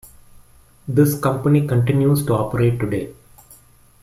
This company continues to operate today.